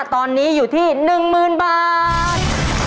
ตอนนี้อยู่ที่๑๐๐๐บาท